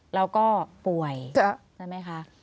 แล้วก็ป่วยใช่ไหมคะ